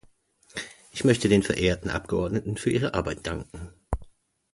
Ich möchte den verehrten Abgeordneten für ihre Arbeit danken.